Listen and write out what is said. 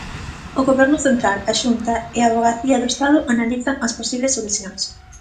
O Goberno central, a Xunta e a Avogacía do Estado analizan as posibles solucións.